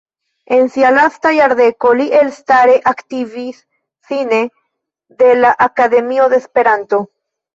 En sia lasta jardeko li elstare aktivis sine de la Akademio de Esperanto.